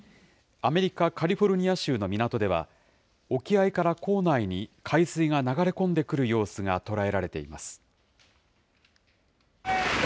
アメリカ・カリフォルニア州の港では、沖合から港内に海水が流れ込んでくる様子が捉えられています。